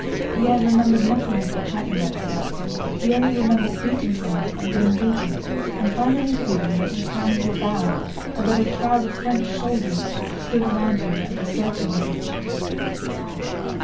Pierre remembered nothing of what happened after that. He only remembered beating someone and being beaten and finally feeling that his hands were bound and that a crowd of French soldiers stood around him and were searching him.